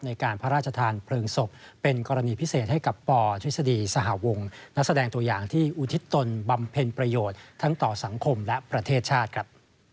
ในการพระราชทานเพลิงศพเป็นกรณีพิเศษให้กับปทฤษฎีสหวงนักแสดงตัวอย่างที่อุทิศตนบำเพ็ญประโยชน์ทั้งต่อสังคมและประเทศชาติครับ